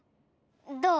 どう？